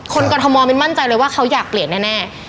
กรทมมินมั่นใจเลยว่าเขาอยากเปลี่ยนแน่